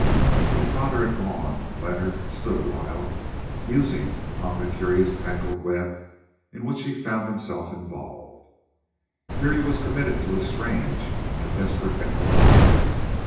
When the Father had gone, Leonard stood for a while musing upon the curiously tangled web in which he found himself involved. Here he was, committed to a strange and desperate enterprise.